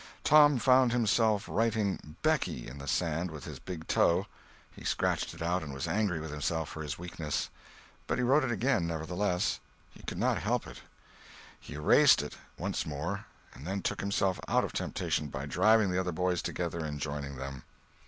Tom found himself writing "BECKY" in the sand with his big toe; he scratched it out, and was angry with himself for his weakness. But he wrote it again, nevertheless; he could not help it. He erased it once more and then took himself out of temptation by driving the other boys together and joining them.